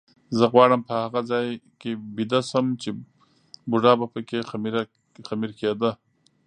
زه غواړم په هغه ځای کې ویده شم چې بوډا به پکې خمیر کېده.